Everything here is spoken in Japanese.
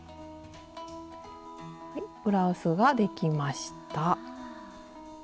ブラウスができました。